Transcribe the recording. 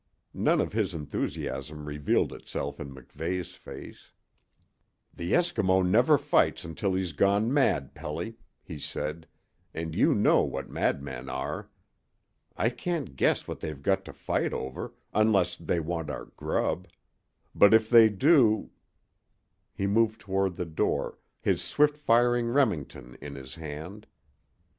None of his enthusiasm revealed itself in MacVeigh's face. "The Eskimo never fights until he's gone mad, Pelly," he said, "and you know what madmen are. I can't guess what they've got to fight over, unless they want our grub. But if they do " He moved toward the door, his swift firing Remington in his hand.